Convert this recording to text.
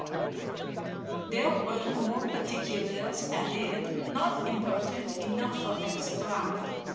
There were more particulars added, not important enough for extract.